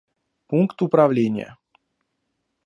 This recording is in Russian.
Пункт управления